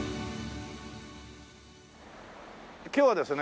今日はですね